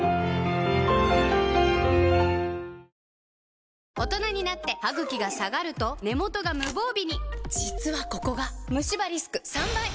果たして大人になってハグキが下がると根元が無防備に実はここがムシ歯リスク３倍！